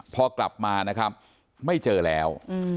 พอกลับมานะครับไม่เจอแล้ว